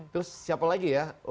terus siapa lagi ya